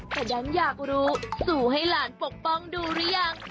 แต่ดันอยากรู้สู่ให้หลานปกป้องดูหรือยัง